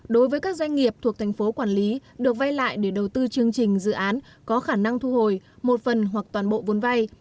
đối với các doanh nghiệp thuộc tp hcm được vay lại để đầu tư chương trình dự án có khả năng thu hồi một phần hoặc toàn bộ vốn vay